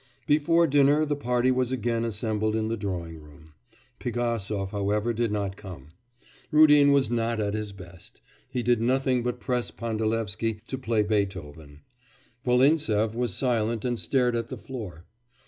Before dinner the party was again assembled in the drawing room. Pigasov, however, did not come. Rudin was not at his best; he did nothing but press Pandalevsky to play Beethoven. Volintsev was silent and stared at the floor.